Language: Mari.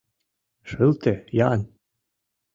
— Шылте-ян.